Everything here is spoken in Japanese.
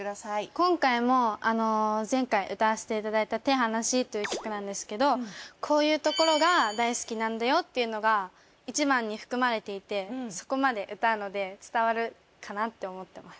今回も前回歌わせていただいた『って話。』という曲なんですけどこういうところが大好きなんだよっていうのが１番に含まれていてそこまで歌うので伝わるかなって思ってます。